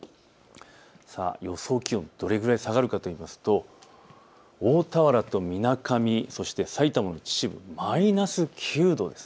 予想気温、どれぐらい下がるかといいますと大田原とみなかみ、そして埼玉の秩父、マイナス９度です。